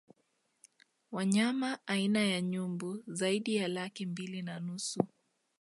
Wanyama aina ya Nyumbu zaidi ya laki mbili na nusu